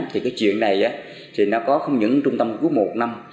thì cái chuyện này thì nó có không những trung tâm cứu một năm